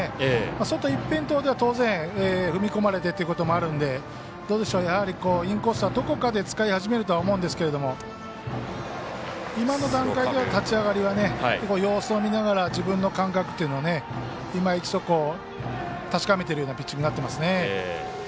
外一辺倒では当然踏み込まれてっていうこともあるのでやはりインコースはどこかで使い始めると思うんですけども今の段階では立ち上がりは様子を見ながら自分の感覚というのをいま一度、確かめているようなピッチングになっていますね。